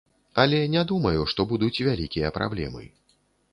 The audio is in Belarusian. Але не думаю, што будуць вялікія праблемы.